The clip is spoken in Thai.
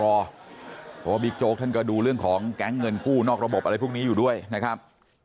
เพราะว่าบิ๊กโจ๊กท่านก็ดูเรื่องของแก๊งเงินกู้นอกระบบอะไรพวกนี้อยู่ด้วยนะครับ